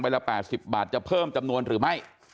ละ๘๐บาทจะเพิ่มจำนวนหรือไม่